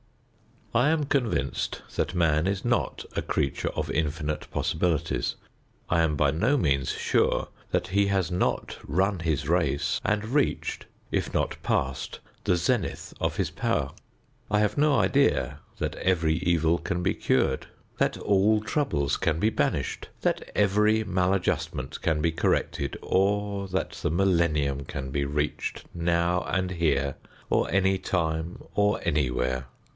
I am convinced that man is not a creature of infinite possibilities. I am by no means sure that he has not run his race and reached, if not passed, the zenith of his power. I have no idea that every evil can be cured; that all trouble can be banished; that every maladjustment can be corrected or that the millennium can be reached now and here or any time or anywhere.